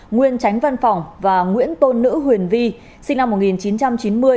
nguyên tránh văn phòng và nguyễn tôn nữ huyền vi sinh năm một nghìn chín trăm chín mươi